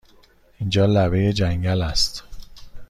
اینجا لبه جنگل است!